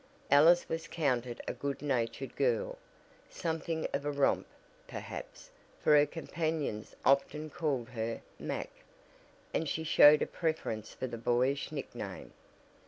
Alice was counted a good natured girl. Something of a romp, perhaps, for her companions often called her "Mack" and she showed a preference for the boyish nickname.